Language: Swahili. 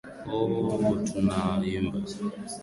Ooooo ooh tunaimba